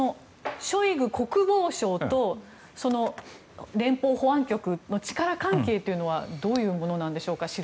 ショイグ国防相と連邦保安局の力関係というのはどういうものなんでしょうか。